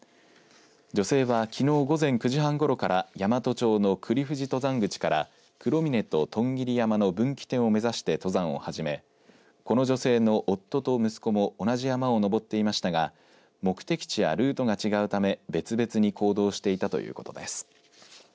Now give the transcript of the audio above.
女性はきのう午前９時半ごろから大都町の栗藤登山口から黒峰とトンギリ山の分岐点を目指して登山を始めこの女性の夫と息子も同じ山を登っていましたが目的地やルートが違うため別々に行動していたということです。